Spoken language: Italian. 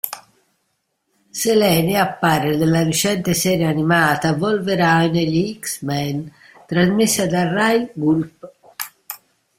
Selene appare nella recente serie animata "Wolverine e gli X-Men", trasmessa da "Rai Gulp".